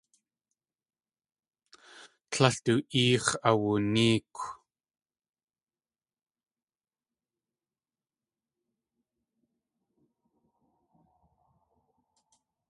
Tlél du éex̲ awunéekw.